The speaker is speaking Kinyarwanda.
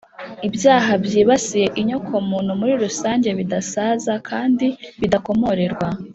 ibyaha byibasiye inyoko muntu muri rusange bidasaza kandi bidakomorerwa.